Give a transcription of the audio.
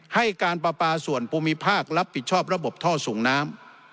ให้การปลาปลาส่วนภูมิภาครับผิดชอบระบบท่อส่งน้ำ